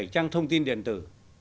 trang thông tin điện tử